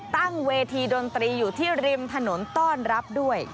ตั้งเวทีดนตรีอยู่ที่ริมถนนต้อนรับด้วย